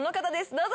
どうぞ。